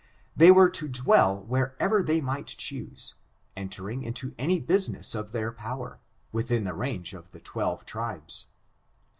They were to dwell wherever they might choose, entering into any business in their power, within the range of the twelve tribes.